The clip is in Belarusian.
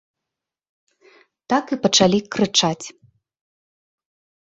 Так і пачалі крычаць.